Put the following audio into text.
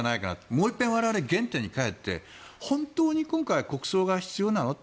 もう一遍我々は原点に返って本当に今回、国葬が必要なの？